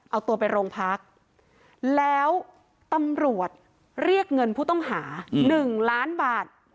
เอาตัวไปโรงพักแล้วตำรวจเรียกเงินผู้ต้องหา๑ล้านบาท